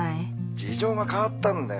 事情が変わったんだよ。